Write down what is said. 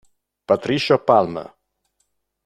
Patricia Palmer